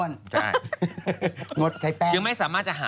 ลดความอ้วน